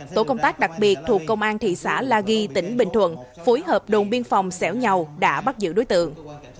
tổ công tác đặc biệt thuộc công an thị xã la ghi tỉnh bình thuận phối hợp đồn biên phòng xẻo nhầu đã bắt giữ đối tượng